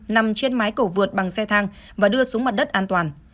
nằm trên mái cầu vượt bằng xe thang và đưa xuống mặt đất an toàn